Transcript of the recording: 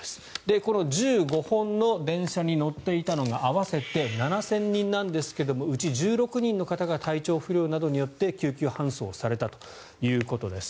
この１５本の電車に乗っていたのが合わせて７０００人なんですがうち１６人の方が体調不良などによって救急搬送されたということです。